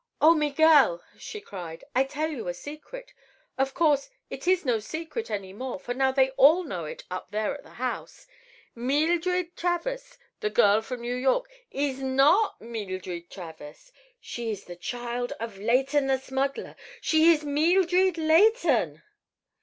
"Oh, Miguel!" she cried. "I tell you a secret. Of course it is no secret any more, for now they all know it, up there at the house. Meeldred Travers, the girl from New York, is not Meeldred Travers. She is the child of Leighton the smuggler—she is Meeldred Leighton!"